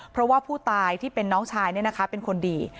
เพราะว่าผู้ตายที่เป็นน้องชายเป็นคนดี